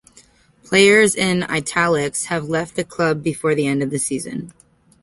Players in "italics" have left the club before the end of the season.